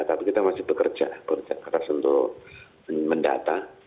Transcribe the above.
tapi kita masih bekerja bekerja keras untuk mendata